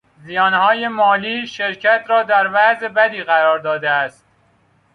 زیانهای مالی شرکت را در وضع بدی قرار داده است.